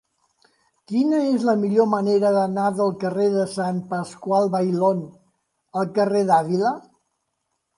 Quina és la millor manera d'anar del carrer de Sant Pasqual Bailón al carrer d'Àvila?